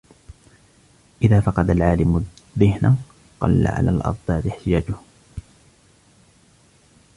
إذَا فَقَدَ الْعَالِمُ الذِّهْنَ قَلَّ عَلَى الْأَضْدَادِ احْتِجَاجُهُ